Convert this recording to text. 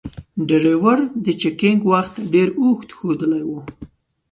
ډریور د چکینګ وخت ډیر اوږد ښودلای و.